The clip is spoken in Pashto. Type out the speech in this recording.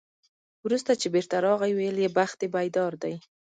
وروسته چې بېرته راغی، ویل یې بخت دې بیدار دی.